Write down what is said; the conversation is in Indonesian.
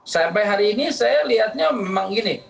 sampai hari ini saya lihatnya memang gini